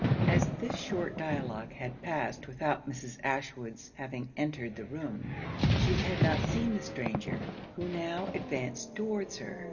As this short dialogue had passed without Mrs. Ashwood's having entered the room, she had not seen the stranger, who now advanced towards her.